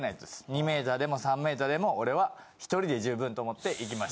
２ｍでも３ｍでも俺は１人で十分と思って行きました。